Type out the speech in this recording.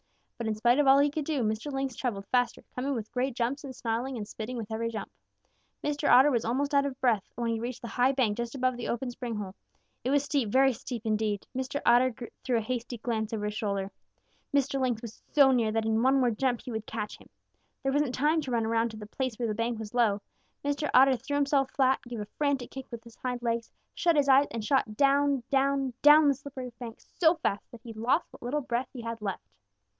But in spite of all he could do, Mr. Lynx traveled faster, coming with great jumps and snarling and spitting with every jump. Mr. Otter was almost out of breath when he reached the high bank just above the open spring hole. It was very steep, very steep indeed. Mr. Otter threw a hasty glance over his shoulder. Mr. Lynx was so near that in one more jump he would catch him. There wasn't time to run around to the place where the bank was low. Mr. Otter threw himself flat, gave a frantic kick with his hind legs, shut his eyes, and shot down, down, down the slippery bank so fast that he lost what little breath he had left.